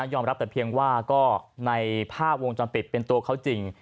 อมรับแต่เพียงว่าก็ในภาพวงจรปิดเป็นตัวเขาจริง